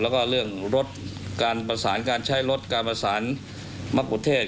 แล้วก็เรื่องรถการประสานการใช้รถการประสานมะกุเทศ